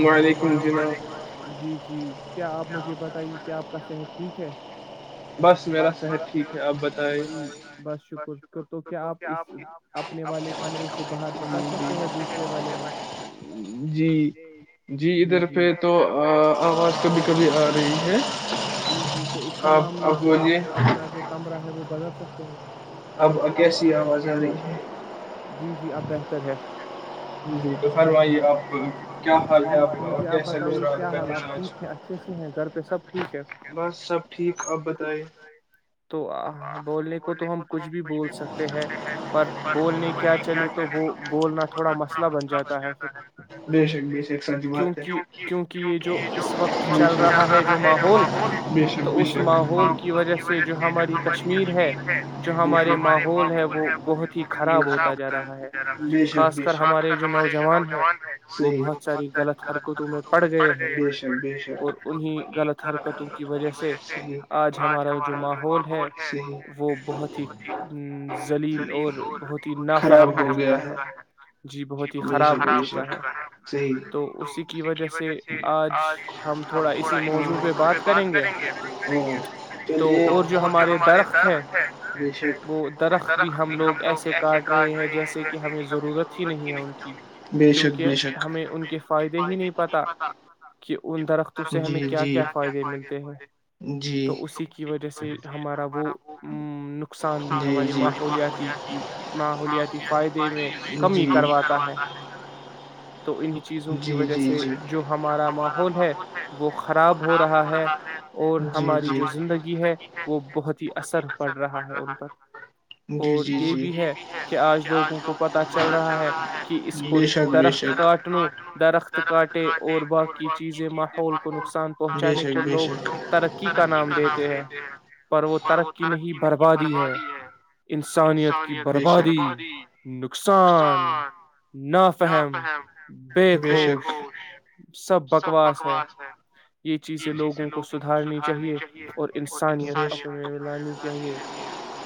السلام علیکم جی جی کیا آپ مجھے بتائیے کیا کس ہے ٹھیک ہے بس میراصحت ٹھیک ہے بس شکر تو کیا آپ اس اپنے والے کمرے سے باہر نکل سکتے ہیں دوسرے والے میں جی جی طر پہ تو آواز کبھی کبھی آ رہی ہے جی جی تو اسی معام آپ اپنا جو کمرہ ہے وہ بدل سکتے ہیں اب کیسی آواز آ رہی ہے جی اب بہتر ہے جی جی تو فرمائیے جی مجھے آپ بتائیے کیا حال آپ ٹھیک ہیں اچھے سے ہیں گھر پہ سب ٹھیک ہےتو بولنے کو تو ہم کچھ بھی بول سکتے ہیں پر بولنے کیا چلے تو وہ بولنا تھوڑا مست مسلہ بن جاتا ہے بے شک بھی شک سچ بات ہے کیک یہ جو ماول چل رہا ہے جو ماحول بے شک بی شک ماحول کی وجہ سے جو ہماری کشمیر ہے جو ہمارے ماحول ہے وہ ب خراب ہوتاا بے شک بھی ش نوجوان وہ بہت ساری غلط حرکتوں میں پڑ گئے ہیں اور انیں غلط حرکتوں کی وجہ سے آج ہمارا جو ماحول ہے وہ بہت ہی زلیل اور بہت ہی نافاہم ہو چکا ہے جی بہت خراب ہوتی یح تو اسی کی وجہ سے آج ہم تھوڑا انی موضوع پ بات کریں گے اور جو ہمارے درخت ہے وہ درخت بھی ہم لوگ ایسے کاٹ رہے ہیں جرسی کی ہمیں ضرورت ہیں ان کی کیونکہ ہمیں ان کے فائدے ہی نہیں پتا کہ ان درختوں سے ہمیں کیا کیا فائدے ملتے ہیں تو اسی کی وجہ سے ہمارا وہ نقصان بھی ہماری ماحولیاتی کی ماحولیاتی فائدے میں کمی کرواتا کرواتا ہے تو انیں چیزوں کی وجہ سے جو ہمارا ماحول ہے وہ خراب ہو رہا ہے اور ہماری جو زندگی ہے وہ بہت ہی اثر پڑ رہا ہے ان پر اور یہ بھی ہے کہ آج لوگوں کو پتاہ چل رہا ہے کہ اس کو درخت کاٹنوں درخت کاٹے اور باقی چیزیں ماحول کو نقصان پہنچانے کو لوگ ترقی کا نام دیتے ہیں پر وہ ترقی نہیں بربادی ہے انسانیت کی بربادی نقصان نہ فہم بے خوش سب بکواس ہے یہ چیزیں لوگوں کو سدھارنی چاہیے اور انسانیت اپنے لانی چاہیے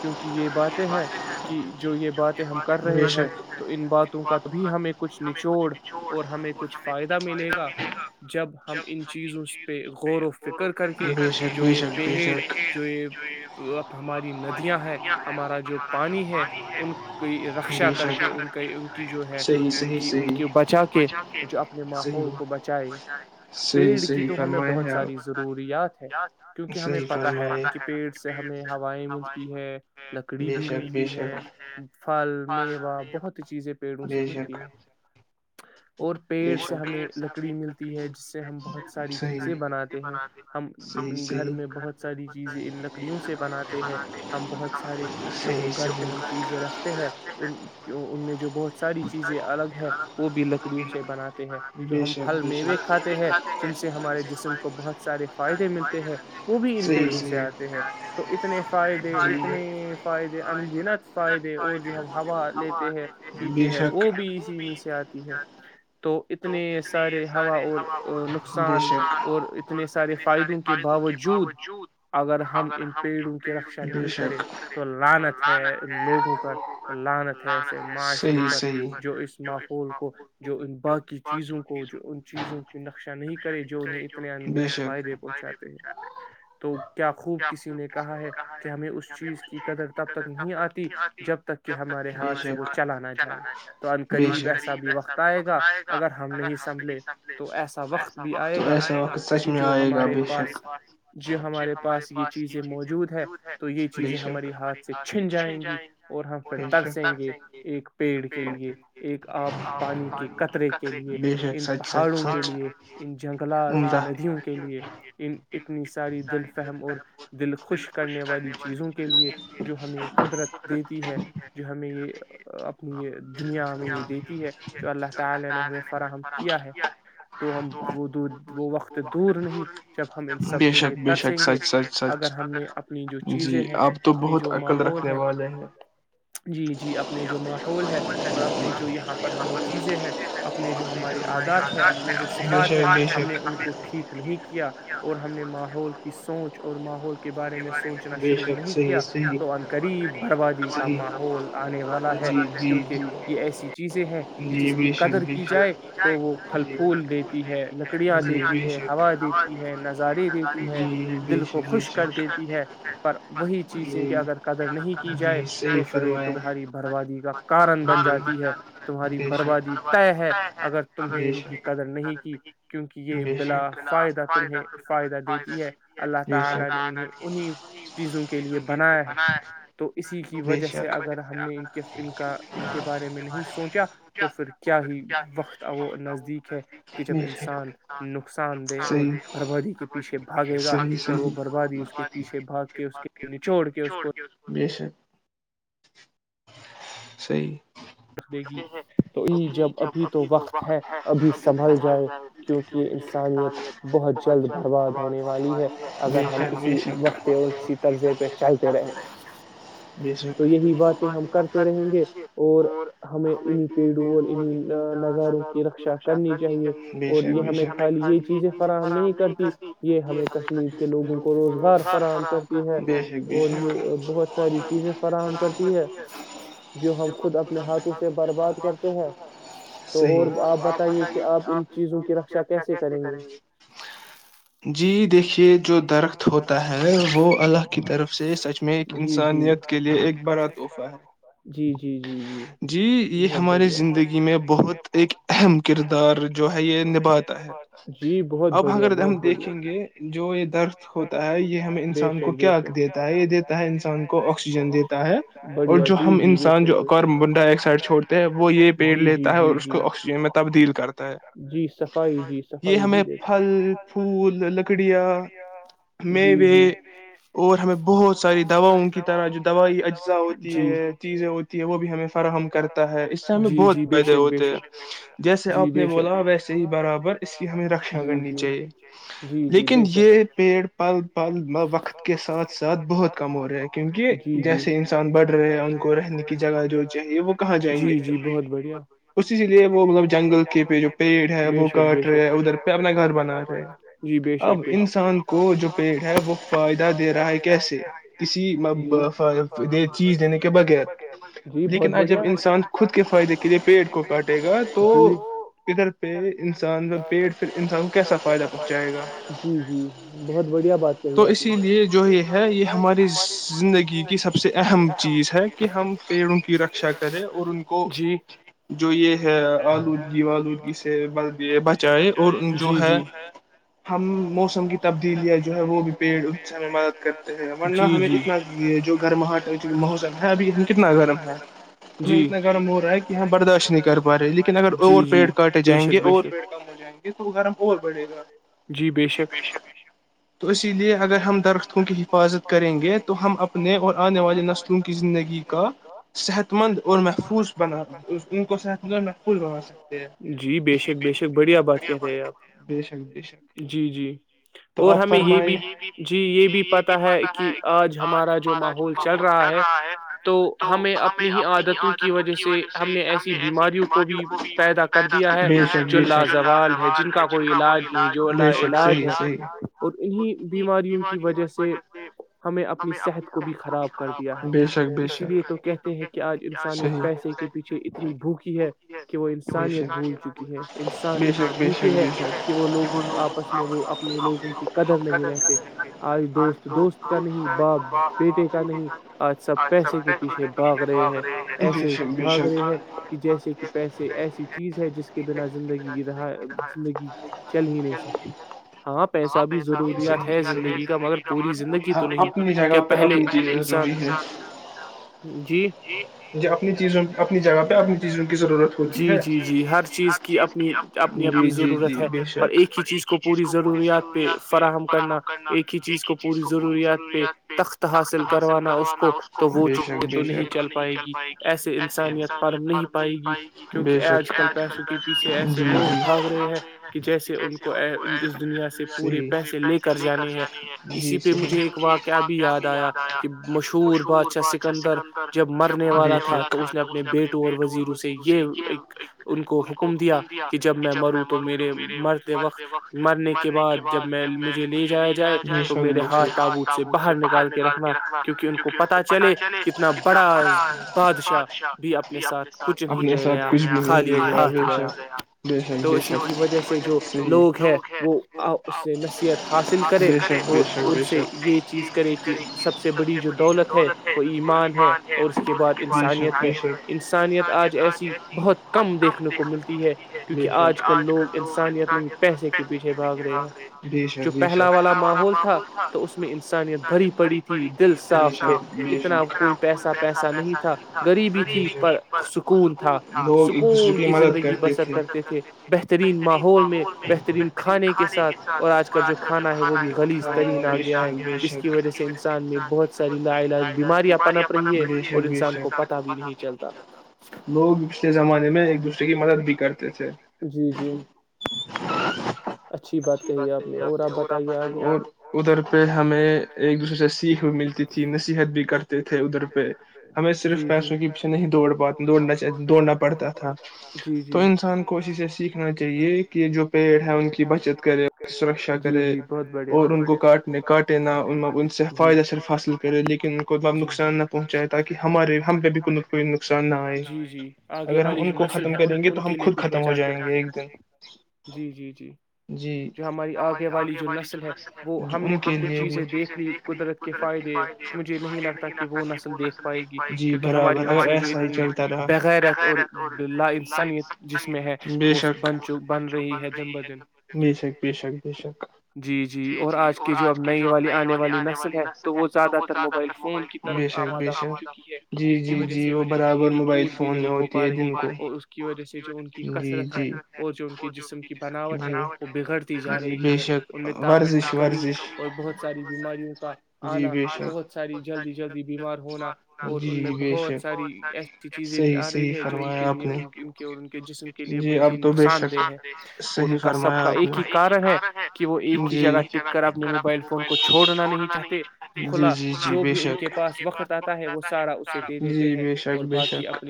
کیونکہ یہ باتیں ہے کہ جو یہ باتیں ہم کر رہے ہیں [unintelligible] [unintelligible] [unintelligible] [unintelligible] [unintelligible] [unintelligible] [unintelligible] [unintelligible] [unintelligible] [unintelligible] [unintelligible] [unintelligible] [unintelligible] [unintelligible] [unintelligible] کے لیے ایک [unintelligible] [unintelligible] [unintelligible] [unintelligible] [unintelligible] [unintelligible] [unintelligible] [unintelligible] [unintelligible] ایسی چیز ہے جسکی قدر کی جائے تو وہ پھل پھول دیتی ہے لکڑی ہے ہوا دیتی ہے نظر آتی ہے دل کو خوش کر دیتی ہے واہی چج ہے کیا گھر قدر نہیں کہ جائے تو پھر تمہاری باربادی کا کرن پابندی تمہاری بربادی طے ہے اگر تمہیں ان کی قدر نہیں کی کیونکہ یہ بلا فائدہ تمہیں فائدہ دیتی ہے اللہ تعالی نے انہیں انہیں چیزوں کے لیے بنایا ہے تو اسی کی وجہ سے اگر ہم نے ان کے ان کا کے بارے میں نہیں سوچا تو پھر کیا ہی وقت ا نزدیک ہے کہ جب انسان نقصان دہ اور بربادی کے پیچھے بھاگے گا اور وہ بربادی اس کے پیچھے بھاگ کے اس کے نچوڑ کے اس کو بے شک صی رکھ دے گی تو یہ جب ابھی تو وقت ہے ابھی سنبھل جائے کیونکہ انسانیت بہت جلد برباد ہونے والی ہے اگر ہم کسی وقت اور کسی طرزے پہ چلتے رہےیں تو یہی باتیں ہم کرتے رہیں گے اور ہمیں انیں پیڑوں اور انیں نظاروں کی رکشا کرنی چاہیے اور یہ ہمیں خالی یہ چیزیں فراہم نہیں کرتی یہ ہمیں کشمیر کے لوگوں کو کو روزگار فراہم کرتی ہے اور یہ بہت ساری فر جو ہم خ اپنے ہات سے برباد کرتے ہیں صحیح اور آپ بتائیے کہ آپ ان چیزوں کی رکا کیسے کریں گے جی دیکھیے کہ جو درخت ہوتا ہے وہ اللہ کی طرف سے سچ میں ایک انسانیت کے لیے ایک بڑا تحفہ ہے جی یہ ہماریے زندگی میں بہت ایک اہم کردار جو ہے یہ نبھاتا ہے اب اگر ہم دیکھیں گے جو ہوتا ہے یہ ہمیں انسان کو کیا دیتا ہے یہ دیتا ہے انسان کو آکسیجن دیتا ہے اور جو ہم انسان جو کاربن ڈائی آکسائڈ چھوڑتے ہے وہ یہ پیڑ لیتا ہے اور اس کو آکسیجن میں تبدیل کرتا ہے یہ ہمیں پھل پھول لکڑیا میں بھی اور ہمیں بہت ساری دواؤں کی طرح جو دوائی اجزا ہوتی ہے چیزیں ہوتی ہے وہ بھی ہمیں فراہم کرتا ہے اس سے ہمیں بہت فائدے ہوتے ہیں جیسے آپ نے بولا ویسے ہی برابر اس کی ہمیں رکشیا کرنی چاہیے جی جی بے شک پیڑ پل پل وقت کے ساتھ ساتھ بہت کم ہو رہا ہے کیونکہ جیسے انسان بڑھ رہے ہے ان کو رہنے کی جگہ جو چاہیے وہ کہاں جائیں گے اسی لیے وہ مطلب جنگل کے پہ جو پیڑ ہے وہ کاٹ رہے ہے ادھر پہ اپنا گھر بنا رہے ہیں جی بے شک بے شک کو جو پیڑ ہے وہ فائدہ دے رہا ہے کیسے کسی چیز دینے کے بغیر لیکن آ جب انسان خود کے فائدے کے لیے پیٹ کو کاٹے گا تو ادھر پہ انسان پیڑ پھر انسان کو کیسا فائدہ فائدہ پہنچ جائے جی جی تو اسی لیے جو یہ ہے یہ ہماری زندگی کی سب سے اہم چیز ہے کہ ہم پیڑوں کی رکشا کرے اور ان کو جو یہ ہے آلودگی آلودگی سے بل دیے بچائے اور جو ہے ہم موسم کی تبدیلیاں جو ہے وہ بھی پیڑ سے ہمیں مدد کرتے ہیں ورنہ ہمیں اتنا یہ جو گرماہٹ موسم ہے ابھی ا کتنا گرم ہے ہمیں اتنا گرم ہو رہا ہے کہ ہم برداشت نہیں کر پا رہے لیکن اگر اوور پیڑ کاٹے جائیں گے اوور پیڑ کم ہو جائیں گے تو وہ گرم اور بڑھے گا جی بے شک جی اسی لیے اگر ہم درختوں کی حفاظت کریں گے تو ہم اپنے اور آنے والی نسلوں کی زندگی کا صحت مند اور محفوظ بنا صحت مند محفوظ جی بےشک بےشک بڑھیا بات کہہ رہے ہیں آپ جی جی تو اپ فرمائیے جی یہ بھی پتا ہے کہ آج ہمارا جو ماحول چل رہا ہے تو ہمیں اپنی ہی عادتوں کی وجہ سے ہم نے ایسی بیماریوں کو بھی پیدا کر دیا ہے جو لاازوال ہے جن کا کوئی علاج نہیں جو لاعلاج ہے اور انہی بیماریوں کی وجہ سے ہمیں اپنی صحت کو بھی خراب کر دیا ہے اسی لیے تو کہتے ہیں کہ آج انسانیت پیسے کے پیچھے اتنی بھوکی ہے کہ وہ انسانیت بھول چکی ہے انسان اتنے بھوکے ہے کہ وہ لوگوں آپس میں وہ اپنے لوگوں کی قدر نہیں رہے آج دوست دوست کا نہیں باپ بیٹے کا نہیں آج سب پیسے کے پیچھے بھاگ رہے ہیں ایسے بھاگ رہے ہیں کہ جیسے کہ پیسے ایسی چیز ہے جس کے بنا زندگی رہا زندگی چل ہی نہیں سکتی ہاں پیسے تبھی ضروریات زندگی کا مگر پوری زندگی تو نہیں جائے گا جی مجھے اپنی چیز اپنی جگہ پہ اپنی چیزوں کی ضرورت ہوتی ہے جی جی ہر چیز کی اپنی جی جی جی بے شک اور ایک ہی چیز کو پوری پے فراہم کرنا ایک ہی چیز کو پوری ضروریات پہ تخت حاصل کروانا اس کو تو وہ چیزیں تو نہیں چل پائے گی ایسے انسانیت پر نہیں پائے گی کیونکہ آج کل پیسوں کے پیچھے ایسے لوگ بھاگ رہے ہیں کہ جیسے ان کو یہاں سے پورے پیسے لے کر جانے ہے اسی پہ مجھے ایک واقعہ بھی یاد آیا کہ مشہور بادشاہ سکندر جب مرنے والا تھا تو اس نے اپنے بیٹوں اور وزیروں سے یہ ان کو حکم دیا کہ جب میں مروں تو میرے مرتے وقت مرنے کے بعد جب میں مجھ لے جایا جائے تو میرے ہاتھ تابوت سے باہر نکال کے رکھنا کیکہ ان کو پتا چلے کتنا بڑا بادشاہ بھی اپنے ساتھ کچھ نہیں لے گیا خالی ہاتھ گیا تو اسی کی وجہ سے جو لوگ ہے وہ اس سے نصیحت حاصل کرے اور ان سے یہ چیز کرے کہ سب سے بڑی جو دولت ہے وہ ایمان ہے اور اس کے بعد انسانیت ہے انسانیت آج ایسی بہت کم دیکھنے کو ملتی ہے کیونکہ آج کل لوگ انسانیت نہیں پیسے کے یہ بھاگ رہے ہیں جو پہلا والا ماحول تھا تو اس میں انسانیت بھری پڑی تھی دل صاف تھے اتنا کوئی پیسہ پیسا نہیں تھا غریبی تھی پر سکون تھا سکون کی زندگی بسر کرتے تھے بہترین ماحول میں بہترین کھان کھانے کے ساتھ [unintelligible] اچھی بات ہے آپ اور آپ بتائیے اور ادھر پہ ہمیں ایک دوسرے سے سیکھ بھی ملتی تھی نصیحت بھی کرتے تھے ادھر پہ ہمیں صرف پیسوں کے پیچھے نہیں دوڑ پات دوڑنا دوڑنا پڑتا تھا تو انسان کوشش یہ سیکھنا چاہیے کہ جو پیڑ ہے ان کی بچت کرے سرکشا کرے اور ان کو کاٹنے کاٹے نہا ان سے فائدہ صرف حاصل کرے لیکن ان کو نقصان نہ پہنچائے تاکہ ہمارے ہم پہ بالکل کوئی نقصان نہ آئے اگر ہم ان کو ختم کریں گے تو ہم خود ختم ہو جائیں گے ایک دن جی جی جی جو ہماری آگے والی جو نسل ہے وہ ہم نے تو کچھ چیزیں دیکھ لی قدرت کے فائدے مجھے نہیں لگتا کہ وہ نسل دیکھ پائے گی کیونکہ ہماری نسل جو اتنی بغیرت اور لا انسانیت جس میں ہے وہ بن چو بن رہی ہے دن ب دن جی جی اور آج کی جو اب نئی والی آنے والی نسل ہے تو وہ زیادہ تر موبائل فون کی طرف آمادہ ہو چکی ہے جس کی وجہ سے ان کی کھیل کود بھی نہیں ہو پا رہی اور اس کی وجہ سے جو ان کی کثرت ہے اور جو جسم کی بناؤ ہے وہ بگڑتی جا رہی ہے ان میں طاقت کی کمی اور بہت ساری بیماریوں کا آنا بہت ساری جلدی جلدی بیمار ہونا اور ان میں بہت ساری ایسی چیزیں بھی آ رہی ہے جو ان کے لیے ان ان کے اور ان کے جسم کے لیے بہت ہی نقصان دہ ہے صحیح فرمایاپ ایک ہی کارن ہے جہ ٹک کر اپنے موبائل فون کو چھوڑنا نہیں چاہ جی جی جی بے شک ان کے پاس وقت زیادہ ہے وہ سارا جی بے شک بے شک